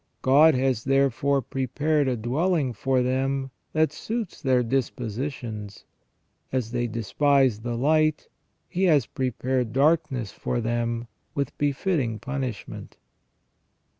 God has, therefore, prepared a dwelling for them that suits their dispositions; as they despised the light, He has prepared darkness for them with befitting punishment.